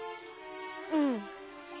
うん。